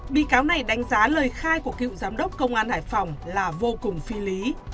bị cáo này đánh giá lời khai của cựu giám đốc công an hải phòng là vô cùng phi lý